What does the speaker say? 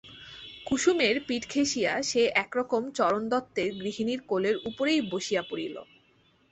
কুসুমের পিঠ ঘেষিয়া সে একরকম চরণ দত্তের গৃহিণীর কোলের উপরেই বসিয়া পড়িল।